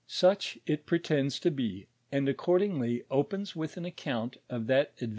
Such it pretends to be, nnJ accordingly opens with an account of that ndven